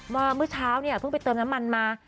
เมื่อเช้าเนี่ยเพิ่งไปเติมน้ำมันมา